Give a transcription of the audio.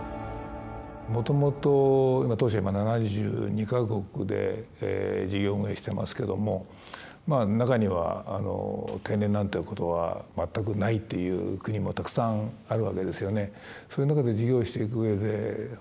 もともと当社今７２か国で事業運営してますけども中には定年なんていうことは全くないっていう国もたくさんあるわけですよね。